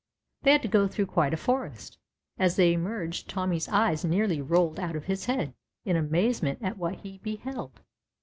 They had to go through quite a forest. As they emerged Tommy's eyes nearly rolled out of his head in amazement at what he beheld.